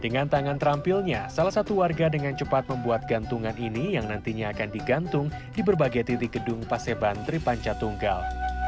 dengan tangan terampilnya salah satu warga dengan cepat membuat gantungan ini yang nantinya akan digantung di berbagai titik gedung paseban tripanca tunggal